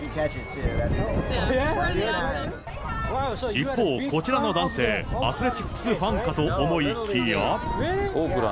一方、こちらの男性、アスレチックスファンかと思いきや。